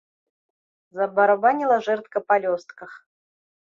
Забарабаніла жэрдка па лёстках.